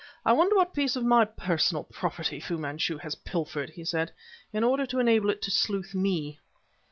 "I wonder what piece of my personal property Fu Manchu has pilfered," he said, "in order to enable it to sleuth me?"